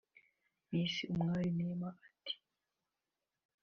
Miss Umwali Neema ati